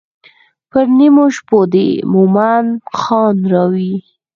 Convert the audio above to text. پر نیمو شپو دې مومن خان راوی.